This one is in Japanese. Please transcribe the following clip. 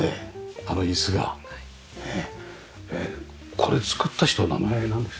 これ作った人は名前なんです？